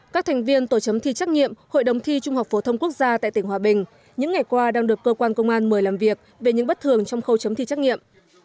các thành viên tổ chấm thi trắc nghiệm hội đồng thi trung học phổ thông quốc gia tại tỉnh hòa bình những ngày qua đang được cơ quan công an mời làm việc về những bất thường trong khâu chấm thi trắc nghiệm